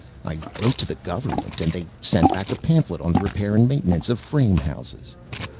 I wrote to the Government, and they sent back a pamphlet on the repair and maintenance of frame houses.